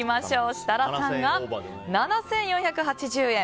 設楽さんが７４８０円。